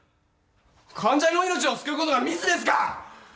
患者の命を救うことがミスですか？